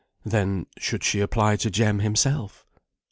Then, should she apply to Jem himself?